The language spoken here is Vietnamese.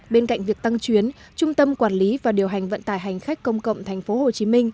bên cạnh việc tăng chuyến trung tâm quản lý và điều hành vận tải hành khách công cộng tp hcm